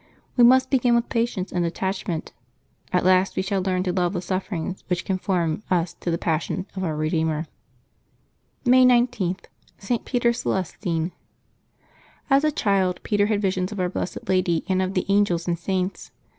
We must begin with patience and detachment. At last we shall learn to love the sufferings which conform us to the Passion of our Eedeemer. May 19] LIVES OF TEE SAINTS 185 May 19.— ST. PETER CELESTINE. Hs a child, Peter had visions of our blessed Lady, and of the angels and saints.